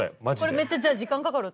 これめっちゃじゃあ時間かかる？